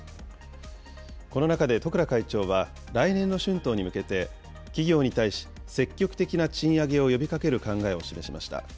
この中で十倉会長は、来年の春闘に向けて、企業に対し、積極的な賃上げを呼びかける考えを示しました。